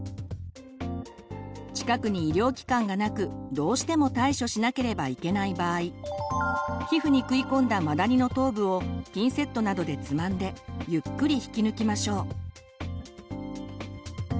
近くに医療機関がなくどうしても対処しなければいけない場合皮膚に食い込んだマダニの頭部をピンセットなどでつまんでゆっくり引き抜きましょう。